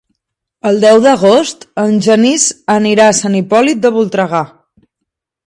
El deu d'agost en Genís anirà a Sant Hipòlit de Voltregà.